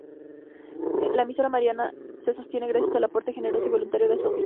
La emisora mariana se sostiene gracias al aporte generoso y voluntario de su audiencia.